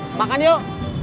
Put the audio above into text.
bu makan yuk